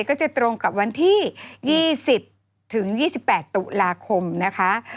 ก็จะตรงกับวันที่๒๐ถึง๒๘ตุลาคมนะคะ